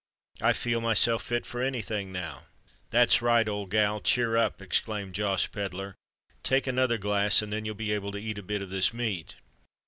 I feel myself fit for any thing now!" "That's right, old gal—cheer up!" exclaimed Josh Pedler. "Take another glass—and then you'll be able to eat a bit of this meat."